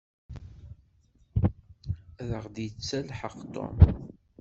Ad aɣ-d-yettelḥaq Tom.